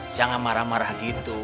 jangan marah marah gitu